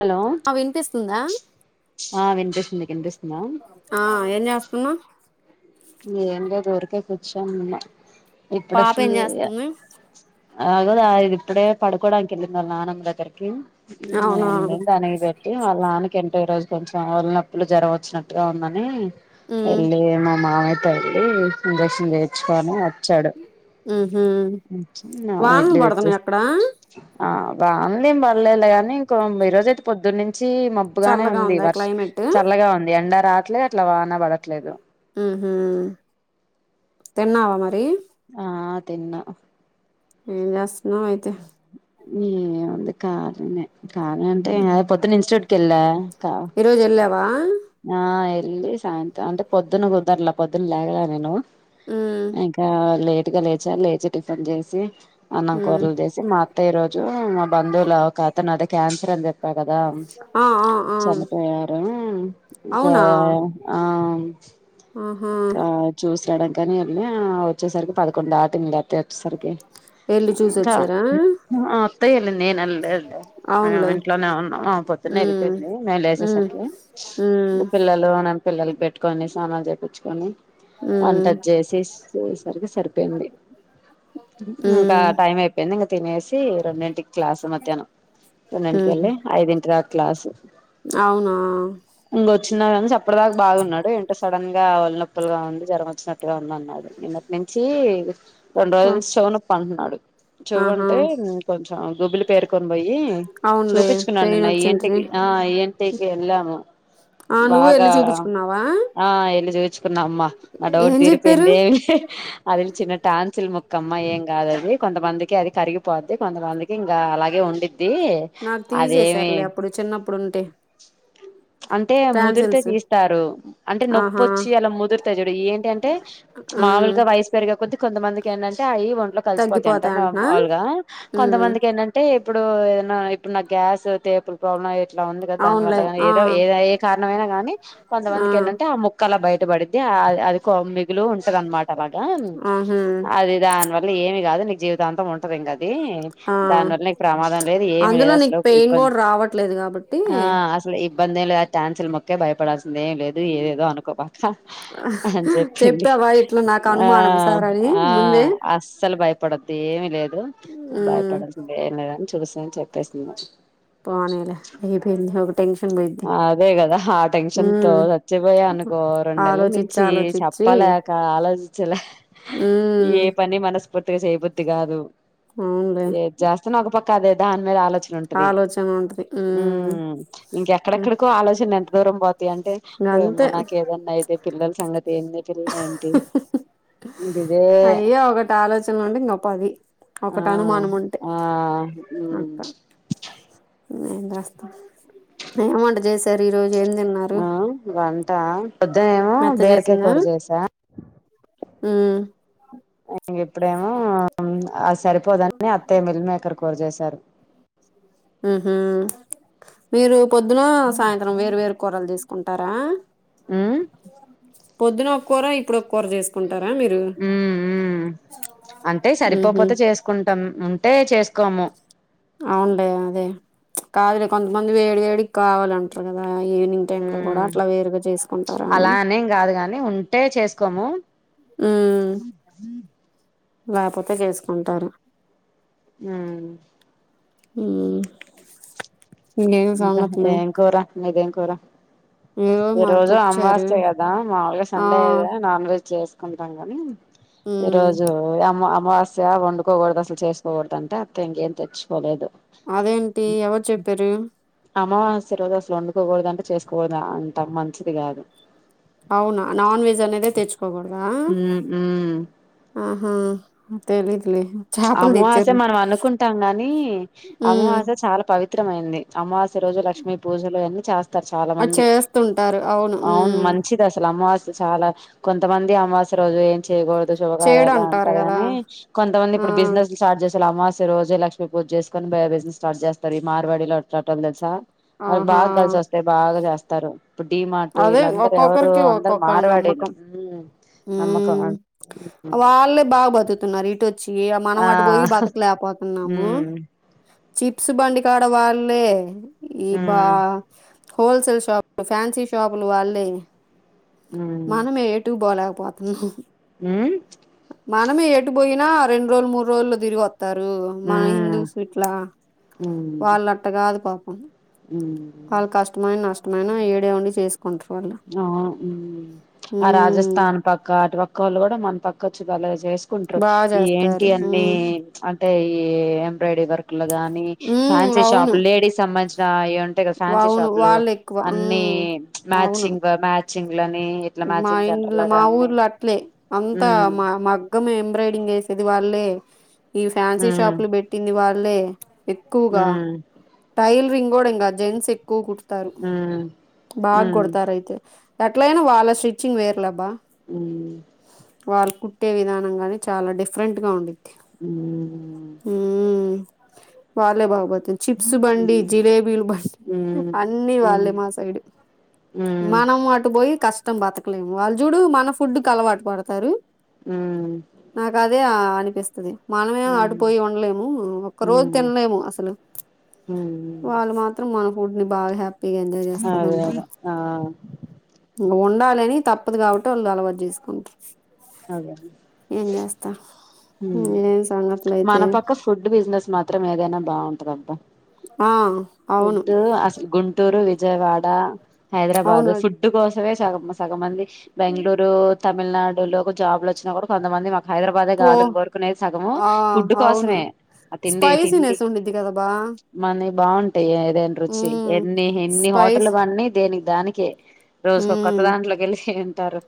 Hello ఆ వినిపిస్తుందా ఆ వినిపిస్తుంది నీకు వినిపిస్తుందా ఆ ఏం చేస్తన్నావ్ ఏం లే దోరికే కూర్చోనున్న ఇప్పుడ పాప ఫ్రీ ఏం అయ్యా చేస్తుంది అగదు ఇది ఇప్పుడే పడుకోవడానికి వెళ్ళిన వాళ్ళు నానమ్ దగ్గరికి అవునా దానికి ఇది వాళ్ళ ఆనకు ఎంటో ఈ రోజు కొంచెం వలినొప్పులు జరగవొచ్చినట్టుగా ఉందని ఉమ్ వెళ్ళి మా మామయతో వెళ్ళలి ఇంజక్షన్ చేర్చుకని వచ్చాడు ఉహు వు వానలు ఎట్లి వచ్చే పడుతున్నాయి అక్కడ ఆ బాగుందిం బడలేలా గానీ ఇంకో ఈ రోజయితే పొద్దున్న నుంచి మంచి మబ్బుగానే చల్లగా ఉంది ఉందా వర్ష క్లైమేట్ చల్లగా ఉంది ఎండా రావట్లేదు అట్లా వాన పడట్లేదు తన్నావా మరి ఆ తిన్న ఏ జాస్త నయితే న వంది కాారున్న కానీ అంటే అద పొత్తున ఇన్స్టిట్యూట్ కళ్ ఈరోజు వెళ్ళావా ఆ వెళ్ళి సాయంతం అంటే పొద్దున్న కుదట్లా పొద్దున్న లేగల నేను ఉమ్ ఇంకా లేట్గా లేచా లేచి టిఫిన్ చేసి అన్నం ఉమ్ కూరలు చేసి మా అత్త్య రోజు మా బంధువుల అతను అదే క్యాన్సర్ అని చెప్ప ప్ప కదా ఆ ఆ ఆ చన్నపోయయారు కా అవునా ఆ ఆహా చ చూసరాడం కానీ వెళ్ళ వచ్చేసరికి పదకొండు ఆటిద అత వచ్చేసరికి వెళ్ళి కా చూసొచ్చారా అత్తలి నేనల అవునులే వెంట్లోనేన్నపో అనే ఉమ్ వెళపోయింది మే ఉమ్ వేసేసరికి ఉమ్ పిల్లలు నన్న పిల్లలు పెట్టుకొని సానాలు చేయిించుకొని ఉమ్ వంటది చేసి చేసేసరికి సరిపోయింది ఇంకా ఉమ్ టైం అయిపోయింది ఇంక తినేసి రెంెంటంటికి క్లాస్ మధ్యాహ్నం రెండెంటికిల్ ఉహు ఐదు ఇంటి రా క్లాసు అవునా ఇంకొచ్చిన కానీ చెప్పడదాకా బాగున్నాడు ఏంటో సడన్ గా వాళ్ళన ప్పలుగా ఉంది జరగ వచ్చినట్టుగా ఉంది అన్నాడు ఇన్నటి నుంచి రెండు ఆ రోజుల నుంచి చవునొప్పి అంటున్నాడు చూవు ఆహా అంటే కొంచెం గుబ్బిలి పేరుకొని పోయి అవునులే చూపించుకున్నాను పెయిన్ నిన్నయ వచ్చింటది ఇంటికి ఆ ఏన్ంటైకి ఎలాము ఆ నువ్వు వెళ్ళలి చూపించుకున్నావా ఆ ఎల్ళ చూించుకున్నా అమ్మా నా డౌట్ ఏం చెప్పారు తీిరిపోయిందేమ అది చిన్న టాన్సుల్ ముక్కమ్మ ఏం కాదుది కొంతమందికి అది కరిగిపోద్ది కొంతమందికి ఇంకా అలాగే ఉండిది ది నాకు అదేమి తీసేసారులే అప్పుడు చిన్నప్పుడు ఉంటే అంటే ముదిరితే టాన్సిల్స్ తీస్తారు అంటే ఆహా నొప్పిొచ్చి అలా ముదిరుతేా చూడు ఏంటింటే మాములుగా వయసు పెరిగ కొద్ది కొంతమందికి ఏంటంటే అవి ఒంట్లో కలిసిపోతంట తగ్గిపోతా మా అంటనా మాములుగా ఉమ్, కొంతమందికి ఇక ఏంటంటే ఇప్పుడు ఏదనా ఇప్పుడు నా గ్యాస్ తేపుల ప్రాబ్లమ్ం ఇట్లా ఉంది కదా దాని వల్ల అవునులే ఆ ఏద ఏ కారణమైనా గాని కొంతమందికి ఏంటంటే ఆ ముక్కలా బయట పడిద్ది ఆ అది లు ఉంటది అన్నమాట అలాగా ఆహా అది దాని వల్ల ఏమి కాదు నీకు జీవితాంతం ఉంటదింకాదు ఆ దానివల్ల నీకు ప్రమాదం లేదు ఏమి అందులో లేదు నీకు అసలు పెయిన్ ఇబ్బంది కూడా రావట్లేదు కాబట్టి ఆ అసలు బబందే ఆ టాన్సిొే భయపడడా ఏం లేదు ఏదేదో అనుకోపాక్క అని చెప్పింది చెప్పావా ఇట్లా నాకు ఆ అనుమానం సార్ అని ఆ ముందే అస్సలు భయపడదు ఏమి లేదు ఉమ్, భయపడాల్సింది ఏం లేదని చూస్తాని చెప్పేసింది పోనిలే అయిపోఇంది ఒక టెన్స్ అదే గదా ఆ టెన్షన్ తో సచ్చిపోయా అనుకో రెండు నెల్ల ఆలోచించి నుంచి ఆలోచించి చెప్పాల ఆలోచించలే ఏ ఉమ్ పని మనసు ఫూర్తిగా చేయబద్ది కాదు అవునులే ఏ జాస్తన్నా ఒక పక్క అదే దాని మీద ఆలోచ ఉంటది ఆలోచన ఉంటది ఉమ్ ఉమ్ ఇంకెక్కడెక్కడికో ఆలోచనలు ఎంత దూరం పోతాయి అంటే ఓ గంతే యమ్మ నాకు ఏదన్నా అయితే పిల్లల సంగతి ఏ పిల్ల ఏంటి ఇదిదే అయ్యో ఒకటాలోచనలు ఉంటే ఇంకో పది ఆ ఒకటనుమానముంటె ఆ ఉమ్ అక్క ఏం జేస్తాం ఏం వంట జేశారీరోజు ఎ ఆ వంటా పొద్దునేమో మెత్త బీరకాయ కూర చేసా ఊ ఇప్పుడేమో అద్ సరిపోదని అత్తయ్య మిల్ మేకర్ కూర చేసారు. ఉహూ మీరు పొద్దునా సాయంత్రం వేరు వేరు కూరలు జేసు కుంటారా. ఉమ్ పొద్దున్నొక్కూరా ఇప్పుడొక్కూర జేసుకుం ఉ ఊ అంటే ఉహు సరిపోపోతే చేసుకుంటం ఉం టే చేసుకోము. అవున్లే అదే కాదులే కొంతమంది వేడి వేడిక్కావలంట్రు గదా. హు చేసుకుంటారా అని అలా అనేం గాదు గాని ఉంటే చేసుకోమూ. లాపోతే జేసుకుంటాను. ఊ ఊ ఇంకా ఏం కూర మీదేం కూర. ఏదో ఈ మాది రోజు పప్పుచారు అమవాస్య గదా మాములుగా ఆ సండే నాన్ వెజ్ చేసుకుంటాం గనీ ఉమ్ ఈరోజు అమ్మ్ అ మవాస్య వొండుకోకూడదు అసలు చేసుకోవొద్ధంటే అత్త ఇంకేం తెచ్చుకోలేదు. అదేంటి ఎవరు చెప్పారూ. అమావాస్య రోజు అసలు వొండుకోకూడదు అంట చేసుకోకూడదు అంట మంచిది గాదు. అవున నాన్ వెజ్ అనేదే తెచ్చుకోకూడదా. ఉమ్ ఉమ్ ఆహా తెలీదులే చేపలు అమవాస్య తెచ్చారు మనం అనుకుంటాం గానీ ఉమ్ అమవాస్య చాల పవిత్రమైంది. అమావాస్య రోజు లక్ష్మీ పూజలు అయన్ని ఛాస్ తరు చాలా అది మంది చేస్తుంటారు అవును ఉమ్ మంచిదసలు అమవాస్య చాలా కొంతమంది అమవాస్య రోజు ఏం చేయకూడదు చేడు శుభకార్యాలు అంటారు అంటరు కదా గనీ కొంతమంది ఆ ఇప్పుడు బిజినెస్లు స్టార్ట్ జేస్ అసలమవాస్య రోజే లక్ష్మి పూజ్జేసుకొని బిజినెస్ స్టార్ చేస్తారు ఈ మార్వాడిలు అట్లాటోళ్లు తెలుసా వాళ్లకూ ఆహా బాగ కలిసొస్తాయి బాగా జేస్తారు. ఇప్పుడు డిమార్టు అదే ఈళ్ళందరు ఎవరు ఒక్కొక్కరికి అందరు మార్వడీలు ఊ వాళ్ళే బాగా బతుకుతున్నారు. వచ్చి మనం ఆ అటు బోయి బతుకలే పోతున్నామూ. ఉమ్ చిప్స్ బండికాడ వాళ్ళే ఈ బా ఉమ్ హోల్సేల్ షాపులు ఫ్యాన్సీ షాపులు వాళ్ళే ఉమ్ మనమే ఎటూ బోలా. పోతున్నాం. ఉమ్ మనమే ఎటు బోయినా రెండ్రోలు మూడ్రోల్లో దిరిగి ఒ తారు. మన ఉమ్ హిందూస్ ఇట్లా ఉమ్ వాళ్ళట్ట గాదు పాపం. ఉమ్ ఆళ్ళు కష్టమైన నష్టమైనా ఈడే ఉండి చేసు ఆ ఊ ఆ ఉమ్ రాజస్థాన్ పక్క అటు పక్కోళ్ళు గూడ మన పక్కొచ్చి భలే జేసుకుంట్రు బా ఈ యేంటి చేస్తారు అన్నీ మ్మ్ అంటే ఈ బ్రయిడరీ వర్క్లుగానీ మ్మ్ ఫ్యాన్సీ షాప్ అవును లేడీస్ సంబందించినా ఏ ఉంటైగ ఫ్యాన్సీ అవును షాప్ లూ వాళ్ళు ఎక్కువ అన్నీ మ్మ్ అవును మ్యాచింగ మ్యాచింగ్ ఇట్లా మా మ్యాచింగ్ ఇం సెంటర్ లాగా మా అన్ని ఊర్లో అట్లే అంతా మ్మ్ మా మగ్గమే ఎం బ్రయిడింగ్ ఏసేది వాళ్లే, ఈ ఫాన్సీ మ్మ్ షాప్ లు బెట్టింది వాళ్ళే, ఎక్కువుగా టైల్ రింగ్ గూడ ఇంగా జెంట్స్ ఎక్కువ కుడుతారు మ్మ్ మ్మ్ బాగ్గుడతారయితే. ఎట్లయినా వాళ్ళ స్టిచ్చింగ్ వేర్లేబ్బా. [unintelligible] వాళ్ళు కుట్టే విధానం గానీ చాలా డిఫరెంట్ గా ఉండిది. అ వాలే బాబతే చిప్స్ బండి జిలేబీలు బండి మ్మ్ మ్మ్ అన్ని మ్మ్ వాళ్ళే మ్మ్ మా సైడ్ మనం అటు పోయి కష్టం బతకలేము వాళ్ళు చూడు మన ఫుడ్ అలవాటు పడతారు నాకు అదే అనిపిస్తుది మానమే మ్మ్ ఆడిపోయి ఉండలేము ఒక్క రోజు మ్మ్ మ్మ్ తినలేము అసలు మ్మ్ వా మాత్ర మనఫడు ని బాగ హ ఎంజాయ్ అదే చేస్తాదిట అదే ఆ ఉండాలిని తప్పదు కాబట్టి వాళ్ళు అలవాటు చేసుకుంటారు అదే ఏం చేస్తా ఏం సంగతులు అయితే మన పక్క ఫుడ్ బిజినెస్ మాత్రం ఏదైనా బాగుంటదబ్బా ఆ అవును ఫడ్ అస గుంటూరు విజయవాడ హైదరాబాద్ అవును ఫుడ్ కోసమే సగ మంది బెంగళూరు తమిళనాడు లో జాబ్లు వచ్చినా కూడా కొంతమంది హైదరాబాదే పో గాలని కోరుకునేది సగము ఆ ఫుడ్ అవును కోసమే ఆ తిండి తిండి స్పైసీనెస్ ఉండిద్ది కదా బా మన బాగుంటాయి ఏదైనా రుచి మ్మ్ ఎన్ని ఎన్ని హోటల్ స్పైస్ [unintelligible] దేనికి దానికే రోజుకు కొత్త మ్మ్ దాంట్లోకి వెళ్ళి ఉంటారు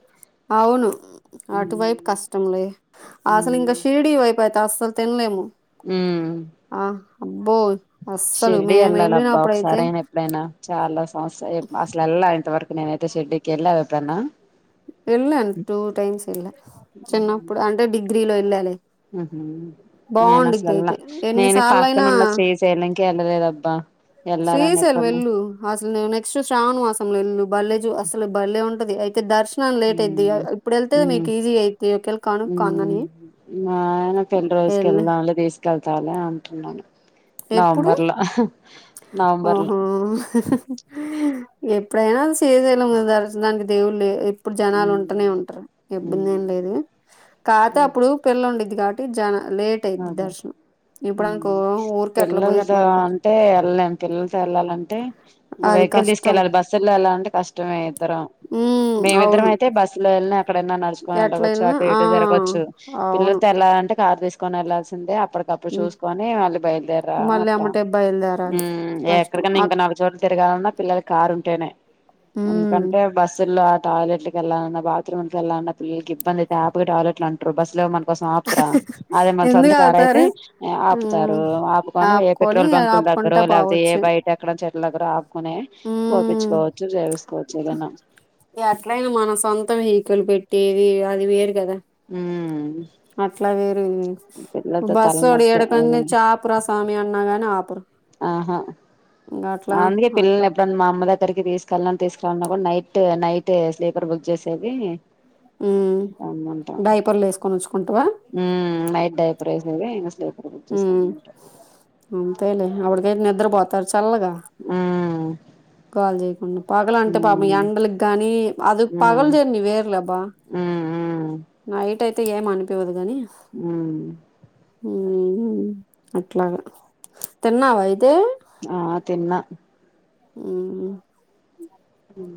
అవును అటువైపు కష్టంలే అసలు హ్మ్ ఇంకా షిర్డి వైపు అయితే అసలు తినలేము ఉమ్ ఆ అబ్బో అస్సలు షిరిడి మేము వెళ్ళాలి అబ్బా వెళ్ళినప్పుడైతే ఒకసారి అయినా ఎప్పుడైనా చాలా సంవత్సరాల అసలు వెళ్ళాల ఇంతవరకు నేను అయితే షిర్డీ కి వెల్లి [unintelligible] వెళ్ళం టూ టైమ్స్ వెళ్ళ చిన్నప్పుడు అంటే డిగ్రీలో వెళ్ళాలి హ నేను బాగుండిద్ది అసలులా అయితే నేను ఎన్నిసార్లు పక్కన అయినా ఉన్న శ్రీశైలం కే వెల్లాలేధ్ అబ్బా శ్రీశైలం వెల్లు అసలు నెక్స్ట్ శ్రావణ్వాసం వెల్లు బల్లేె అసలు బల్లేె ఉంటది అ అయితే దర్శనం లేట్ అయిది ఉమ్ ఇప్పుడు వెళ్తే ఉమ్ మీకు ఈజీ అయిది ఒకేళ ఉమ్ కనునని మా ఆయన పెళ్లి రోజుక వెళ్దాంలే తీసుకెళ్తాలి అంటున్నాను ఎప్పుడు నవంబర్లా నవంబర్లా ఓహో! ఎప్పుడైనా శ్రీశైలం కి దర్శనానికి [unintelligible] ఇప్పుడు జనాలు ఉంటేనే ఉమ్ ఉంటారు ఇబ్బంది ఉమ్ ఏం లేదు కాతే ఉమ్ అప్పుడు పిల్లండి కాబట్టి జాల లేట్ అయింది అదే దర్శనం ఇప్పుడుకో ఊరు పిల్లలతో అంటే వెళ్ళలేము పిల్లలతో వెళ్లాలంటే ఇంకా అది వెహికల్ కష్టం. తీసుకెళ్ళాలి బస్సుల్లో ఎలా అంటే కష్టమే ఇద్దరం హ్మ్. మేమిద్దరం అవును. అయితే బస్ లో వెళ్ళిన ఎక్కడైనా నడుచొని ఎట్లా వెళ్ళవచ్చు ఎళ్ళినా అటు ఆ! ఇటు జరగొచ్చు అవును. పిల్లతో వెళ్ళాలంటే కారు తీసుకొని వెళ్లాల్సిందే అప్పటికప్పుడు హ్మ్. చూసుకొని వాళ్ళీ బయలుదేర మళ్ళీ అట్లా ఎమ్మటే ఊ బయలుదేరాలి. కష్టం. ఎక్కడికన్నా ఇంకా అక్ నల్ చోట తిరగాలన్నా పిల్లలు కారు ఉంటేనే హ్మ్. ఎందుకంటే బస్సుల్లో టాయిలెట్ల వెళ్లన్నా బాత్రూమ్ వెళ్లన్నా పిల్లకి ఇబ్బందియితేపగా టాయిలెట్లు అంటారు బస్సులోకి పసం ఆపుతుర అదే మన ఎందుకు సొంతకారు అయితే ఆగుతారు? హ్మ్. ఆపుతారు ఆపుకొని ఏ పెట్రోల్ బంకుల దగ్గర ఆపుకుంటా లేకపోతే ఏ పోవచ్చు. బయట ఎక్కడ చెట్ల దగ్గర ఆపుకునే హ్మ్ పోపించుకోవచ్చు చేవిసుకోవచ్చు ఏదైనా అట్ల అయినా మన సొంత వెహకులు పెట్టేది అది వేరు కదా ఉ అట్లా వేరు పిల్లలతో బస్ ఊడి తలనొప్పి ఎడక చ ఆపురా సామి అన్నగానే ఆపర ఆహా అందుకే అట్లా పిల్లల్ని ఎప్పుడు మా అమ్మ దగ్గరికి తీసుకెళ్ని తీసుకు న్నా కూడా నైట్ నైట్ స్లీపర్ బుక్ చేసేది హ్మ్ ఉమ్ డైపర్లు వేసుకొని వచ్చుకుంటావా [unintelligible] ప్రైస్ మ్మ్ అంతేలే ఆవిడా నిద్ర పోతు చల్లగా ఆ కాలు చేయకుండా పగలు అంటే పాపం ఎండలకి గానీ అది పగలు జర్నీ వేరులే అబ్బా మ్మ్ హ్హ్ నైట్ అయితే ఏం అనిపివదు మ్మ్ మ్మ్ హ్హ్ అట్లాగ తిన్నావా అయితే ఆ తిన్న మ్మ్ హ్హ్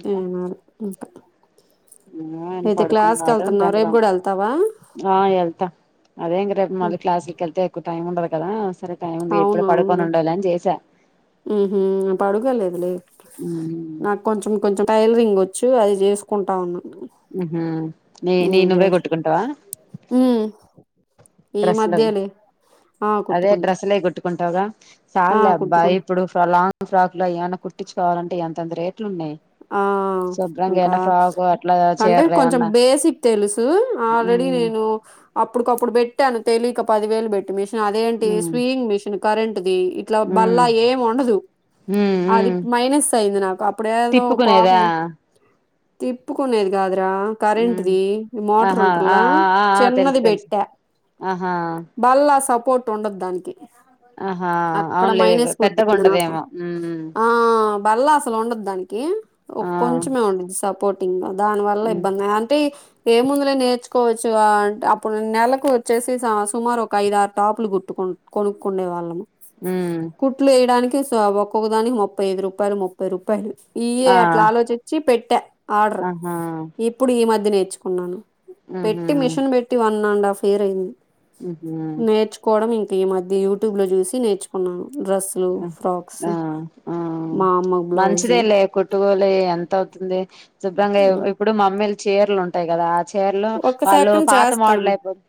తినాలి ఇంకా ఆ ఆయన అయితే క్లాస్కి పడుకున్నాడు వెళ్తున్నావు రేపు కూడా వెళ్తావా ఆ వెళ్తా అదే ఇంగ రేపు మల్లి క్లాసులకి వెళ్తే ఎక్కువ టైం ఉండదు కదా సరే టైం ఉంది ఇప్పుడే పడుకోని ఉండదులే అని చేసా మ్మ్ హ్ పడుకో లేదులే నాకు కొంచెం టైలరింగ్ వచ్చు టైలరింగ్ చేసుకుంటా ఉన్నా మ్మ్ నీయి నువ్వే చేస్- కుట్టుకుంటావా ఉమ్, ఈ డ్రెస్సులు మద్యే లే అదే డ్రెస్సులు కుట్టుకుంటావుగా సాలు ఆ లే అబ్బా కుట్టుకుంటా ఇప్పుడు లాంగ్ ఫ్రాక్ లో అయన్న కుట్టించుకోవాలంటే ఎంతేత రేట్లున్నాయి ఆ ఇంకా అట్లా అంటే చీరలు కొంచెం ఏమన్నా బేసిక్ తెలుసు ఆల్రెడీ నేను ఉమ్ నేను అప్పుటికప్పుడు పెట్టాను తెలిక పదివేలు పెట్టి మిషన్ అదేంటి ఉమ్ స్వియింగ్ మిషన్ కరెంట్ ది ఇట్లా బల్ల ఉమ్ ఏం ఉండదు ఉమ్ అది మైనస్ అయింది నాకు అప్పుడు కుట్టుకునేదా కుట్టుకునేది కాదు ఉమ్ కరెంట్ది మోటర్ ఆహా ఆ ఉంట్రలా ఆ ఆ చిన్నది తెలుసు తెలుసు పెట్ట ఆహా కుట్టు ఉండదు దానికి ఆహా అక్కడ అవునులే మైనస్ పెద్దగా కొట్టింది నాకు ఉండదేమో ఉమ్ ఆ బళ్లా అసలు ఉండదు దానికి ఆ కొంచమే ఉంటది సపోర్టింగ్ గా దాని వల్ల ఉమ్ ఇబ్బంది అంటే ఏ ముందిలే నేర్చుకోవచ్చు అప్పుడు నెలకు వచ్చేసి సుమారు ఒక ఐదు ఆరు టాపులు కుట్టు కునే వాళ్ళము ఉమ్ కుట్లు వేయడానికి ఒక్కొక్కదానికి ముప్పై ఐదు రూపాయలు ముప్పై రూపాయలు ఈయ ఆ అట్లా ఆలోచించి పెట్టా ఆర్డర్ ఆహా ఇప్పుడు ఈ మధ్య నేర్చుకున్నాను ఉహు పెట్టి మిషన్ పెట్టి వన్ అండ్ హాఫ్ ఇయర్ అయింది ఉహు నేర్చుకోవడం ఈ మధ్య యూట్యూబ్ లో చూసి నేర్చుకున్నాను డ్రెస్సులు ఫ్రాక్స్ ఆ ఆ మా అమ్మ బ్లౌజు మంచిదేలే కుట్టు కుట్టుకూలి ఎంత అవుతుంది శుభ్రంగా ఇప్పుడు మమ్మీలు చీరలు ఉంటాయి కదా చీరలు ఒక వాళ్ళు సెకండ్ పాత మోడల్ చేస్తాను అయిపోతు